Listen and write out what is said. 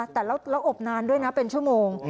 แต่เราอบนานด้วยนะเป็นชั่วโมง